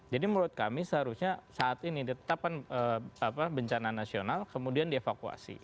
menurut kami seharusnya saat ini ditetapkan bencana nasional kemudian dievakuasi